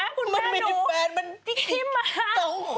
นี่มันมีแฟนมันจิ๊กมาก